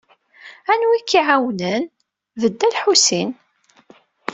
Anwa ay k-iɛawnen? D Dda Lḥusin.